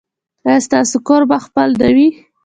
ایا ستاسو کور به خپل نه وي؟